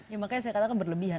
ya makanya saya katakan berlebihan